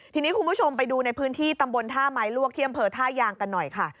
ทีนี้คุณผู้ชมไปดูในพื้นที่ตำบลท่าไม้ลวกที่อำเภอท่ายางกันหน่อยค่ะ